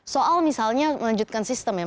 soal misalnya melanjutkan sistem ya